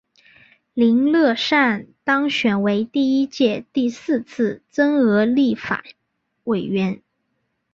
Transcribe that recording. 林乐善当选为第一届第四次增额立法委员。